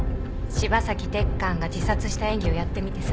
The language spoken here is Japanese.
芝崎鉄幹が自殺した演技をやってみてさ。